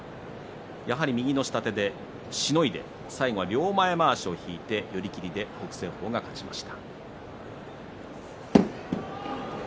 やはり右の下手でしのいで最後は両前まわしを引いて寄り切りで北青鵬が勝っています。